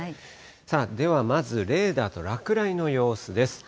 さあ、ではまずレーダーと落雷の様子です。